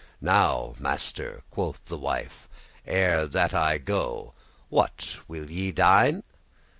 "Now, master," quoth the wife, "ere that I go, What will ye dine?